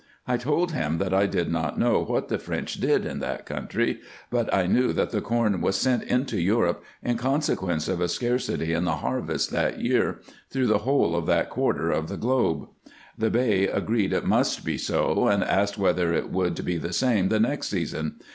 I told him, that I did not know what the French did in that country ; but I knew that the corn was sent into Europe, in consequence of a scarcity in the harvest that year, through the whole of that quarter of the IN EGYPT, NUBIA, &c. 119 globe. The Bey agreed it must be so, and asked whether it would be the same the next season.